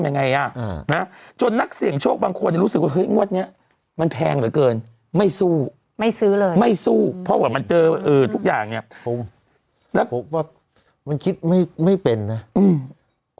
อืมอืมอืมอืมอืมอืมอืมอืมอืมอืมอืมอืมอืมอืมอืมอืมอืมอืม